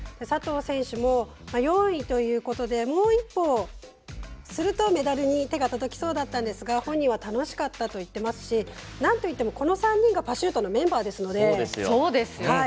佐藤選手も４位ということでもう一歩すると、メダルに手が届きそうだったんですが本人は楽しかったと言っていますしなんといってもあの３人がパシュートのメンバーですので。